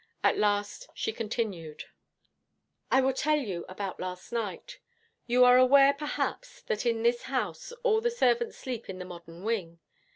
At last she continued: 'I will tell you about last night. You are aware, perhaps, that in this house all the servants sleep in the modern wing.